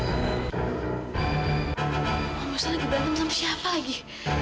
kamu bisa lagi bantam sama siapa lagi